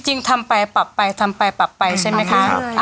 จริงทำไปปรับไปใช่ไหมคะ